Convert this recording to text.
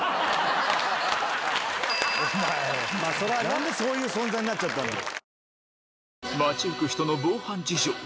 何でそういう存在になっちゃったのよ？